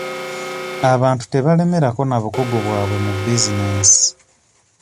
Abantu tebalemerako na bukugu bwabwe mu bizinesi